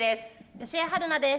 吉江晴菜です。